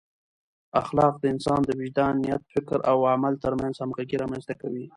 اخلاق د انسان د وجدان، نیت، فکر او عمل ترمنځ همغږۍ رامنځته کوي.